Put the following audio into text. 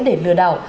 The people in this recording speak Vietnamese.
để lừa đảo